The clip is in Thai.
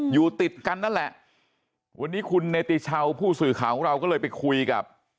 อยู่ติดกันนั่นแหละวันนี้คุณเนติชาวผู้สื่อข่าวของเราก็เลยไปคุยกับ